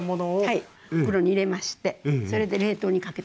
はい袋に入れましてそれで冷凍にかけたわけです。